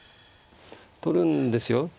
取るんですよ。